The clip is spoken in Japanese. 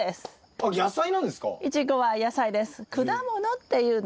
あっ野菜なんですか？